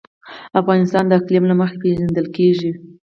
افغانستان د اقلیم له مخې پېژندل کېږي.